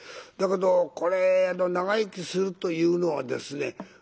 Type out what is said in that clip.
だけどこれ長生きするというのはですね